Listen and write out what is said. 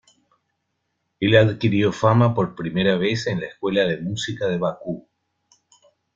Él adquirió fama por primera vez en la Escuela de Música de Bakú.